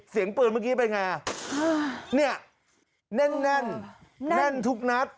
เสียงปืนเมื่อกี้เป็นไงอ่ะเนี่ยแน่นแน่นทุกนัด